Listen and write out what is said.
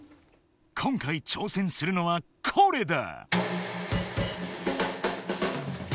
今回ちょうせんするのはこれだ！